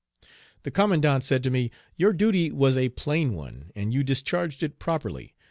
The commandant said to me: "Your duty was a plain one, and you discharged it properly.